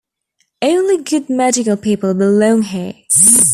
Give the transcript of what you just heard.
Only good medical people belong here.